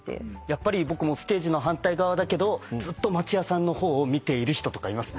やっぱり僕もステージの反対側だけどずっと町屋さんの方を見ている人とかいます。